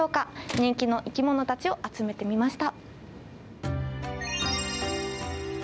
人気の生き物たちを集めてみました。